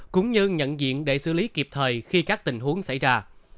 cũng như nhận diện để xử lý kịp thời khi các tình huống xảy ra